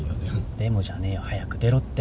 「でも」じゃねえよ早く出ろって。